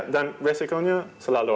dan resikonya selalu